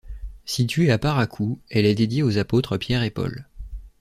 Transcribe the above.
Située à Parakou, elle est dédiée aux apôtres Pierre et Paul.